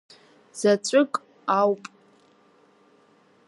Заҵәык ауп.